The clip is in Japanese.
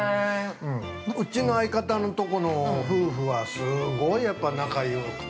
うちの相方のとこの夫婦はすごい、やっぱ仲よくて。